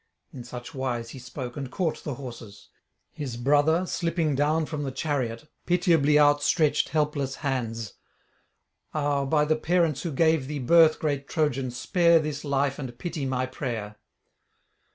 In such wise he spoke, and caught the horses. His brother, slipping down from the chariot, pitiably outstretched helpless hands: 'Ah, by the parents who gave thee birth, great Trojan, spare this life and pity my prayer.'